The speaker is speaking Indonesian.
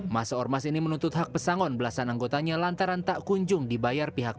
masa ormas ini menuntut hak pesangon belasan anggotanya lantaran tak kunjung dibayar pihak